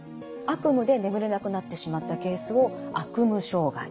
悪夢で眠れなくなってしまったケースを悪夢障害。